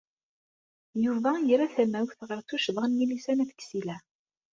Yuba yerra tamawt ɣer tuccḍa n Milisa n At Ksila.